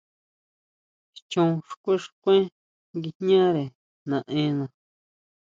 Chon xkuen, xkuen nguijñare naʼena.